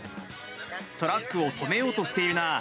トラックを止めようとしているな。